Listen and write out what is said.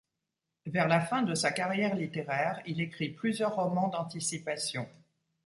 Vers la fin de sa carrière littéraire, il écrit plusieurs romans d'anticipation.